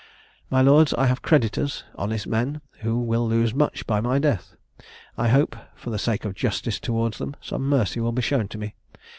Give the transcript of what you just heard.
My lords, I have creditors, honest men, who will lose much by my death. I hope, for the sake of justice towards them, some mercy will be shown to me.